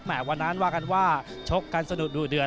วันนั้นว่ากันว่าชกกันสะดุดดูเดือด